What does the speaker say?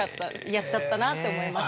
やっちゃったなって思いました。